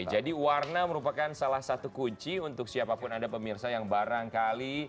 jadi warna merupakan salah satu kunci untuk siapapun ada pemirsa yang barangkali